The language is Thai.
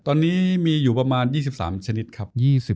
ตอนนี้มีอยู่ประมาณ๒๓ชนิดครับ